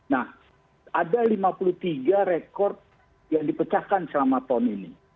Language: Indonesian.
nah ada lima puluh tiga rekod yang dipecahkan selama tahun ini